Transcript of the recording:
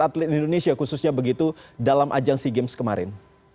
atlet indonesia khususnya begitu dalam ajang sea games kemarin